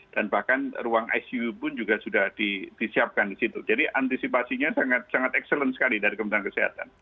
dan bahkan ruang icu pun juga sudah disiapkan di situ jadi antisipasinya sangat sangat excellent sekali dari kementerian kesehatan